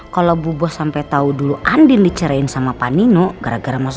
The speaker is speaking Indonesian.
kau pasti akan cari aku mas